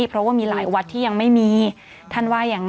เพราะว่ามีหลายวัดที่ยังไม่มีท่านว่าอย่างนั้น